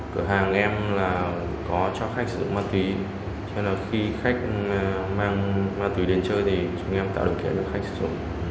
có cho khách sử dụng ma túy khi khách mang ma túy đến chơi thì chúng em tạo được kế hoạch khách sử dụng